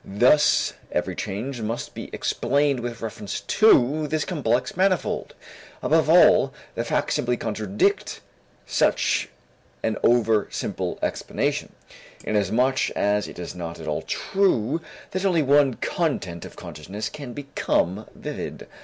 Thus every change must be explained with reference to this complex manifold. Above all, the facts simply contradict such an over simple explanation, inasmuch as it is not at all true that only one content of consciousness can become vivid.